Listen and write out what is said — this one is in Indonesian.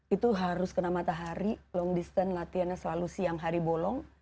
itu harus kena matahari long distance latihannya selalu siang hari bolong